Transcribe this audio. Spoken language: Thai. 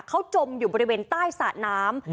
เขาจมอยู่บริเวณใต้สระน้ำ